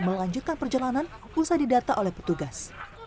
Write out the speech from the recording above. melanjutkan perjalanan usai didata oleh petugas